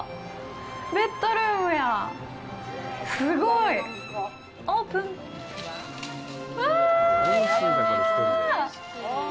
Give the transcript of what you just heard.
ベッドルームやすごいオープンうわやば！